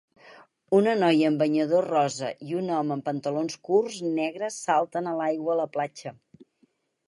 Una noia amb banyador rosa i un home amb pantalons curts negres salten a l'aigua a la platja.